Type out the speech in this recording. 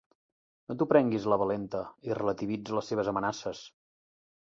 No t'ho prenguis a la valenta i relativitza les seves amenaces.